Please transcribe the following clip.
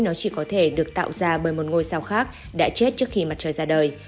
nó chỉ có thể được tạo ra bởi một ngôi sao khác đã chết trước khi mặt trời ra đời